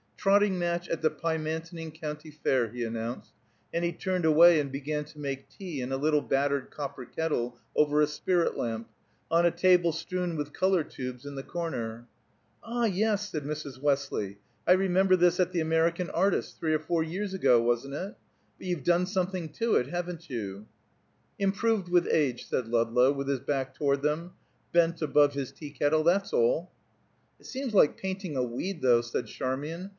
"Trotting Match at the Pymantoning County Fair," he announced, and he turned away and began to make tea in a little battered copper kettle over a spirit lamp, on a table strewn with color tubes in the corner. "Ah, yes," said Mrs. Westley. "I remember this at the American Artists; three or four years ago, wasn't it? But you've done something to it, haven't you?" "Improved with age," said Ludlow, with his back toward them, bent above his tea kettle. "That's all." "It seems like painting a weed, though," said Charmian.